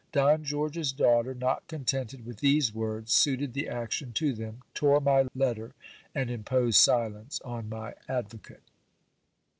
Don George's daughter, not contented with these words, suited the action to them, tore my letter, and imposed silence on my advocate.